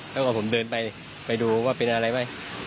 แล้วก็ผมเดินไปไปดูว่าเป็นอะไรไหม